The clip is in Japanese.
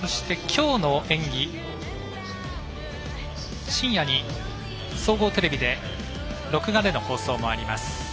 そして今日の演技は深夜に総合テレビで録画での放送もあります。